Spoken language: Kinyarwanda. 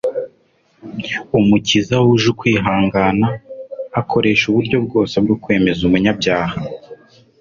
Umukiza wuje ukwihangana, akoresha uburyo bwose bwo kwemeza umunyabyaha